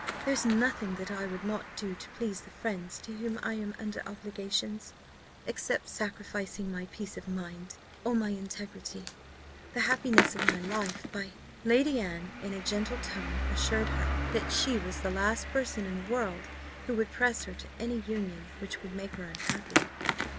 there is nothing that I would not do to please the friends to whom I am under obligations, except sacrificing my peace of mind, or my integrity, the happiness of my life, by " Lady Anne, in a gentle tone, assured her, that she was the last person in the world who would press her to any union which would make her unhappy.